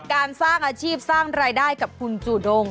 การสร้างอาชีพสร้างรายได้กับคุณจูดง